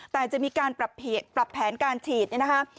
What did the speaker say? แต่จะมีการปรับแผนการฉีดเนี่ยนะคะ